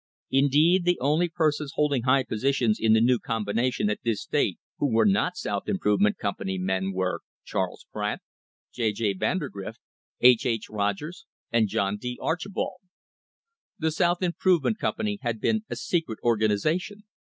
Indeed, the only persons holding high positions in the new combination at this date who were not South Improvement Company men were, Charles Pratt, J. J. Vandergrift, H. H. Rogers and John D. Archbold. The South Improvement Company had been a secret organisation.